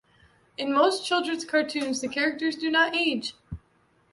In most children's cartoons, the characters do not age.